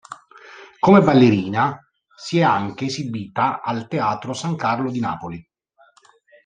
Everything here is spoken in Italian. Come ballerina si è anche esibita al teatro San Carlo di Napoli.